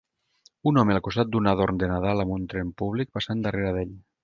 Un home al costat d"un adorn de Nadal amb un tren públic passant darrera d"ell.